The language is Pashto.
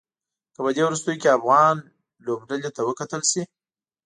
که په دې وروستيو کې افغان لوبډلې ته وکتل شي.